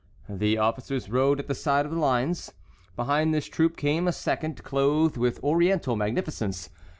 The officers rode at the side of the lines. Behind this troop came a second, clothed with Oriental magnificence.